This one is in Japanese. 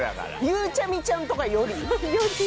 ゆうちゃみちゃんとかより？より。